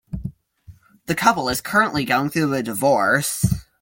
The couple is currently going through a divorce.